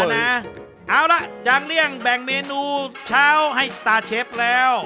เอาล่ะจากเลี่ยงแบ่งเมนูเช้าให้สตาร์เชฟแล้ว